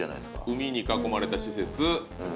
海に囲まれた施設。